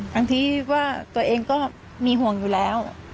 บางทีว่าตัวเองก็มีห่วงอยู่แล้ว